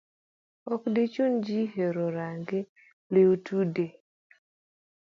Ok dichun ji hero rangi liudute.